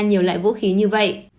nhiều loại vũ khí như vậy